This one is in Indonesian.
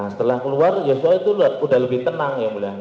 setelah keluar joshua itu udah lebih tenang